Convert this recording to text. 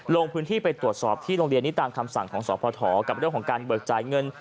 ลงพื้นที่ไปตรวจสอบที่โรงเรียนนี้ตามคำสั่งของสพกับเรื่องของการเบิกจ่ายเงิน